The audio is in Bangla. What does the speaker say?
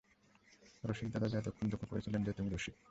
রসিকদাদা যে এতক্ষণ দুঃখ করছিলেন যে তুমি– রসিক।